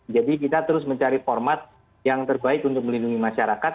jadi kita terus mencari format yang terbaik untuk melindungi masyarakat